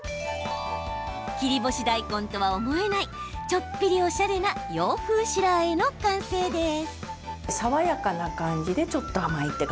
切り干し大根とは思えないちょっぴりおしゃれな洋風白あえの完成です。